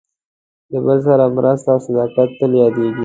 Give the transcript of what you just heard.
د بل سره مرسته او صداقت تل یادېږي.